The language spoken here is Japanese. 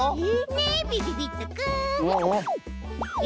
ねびびびっとくん。え？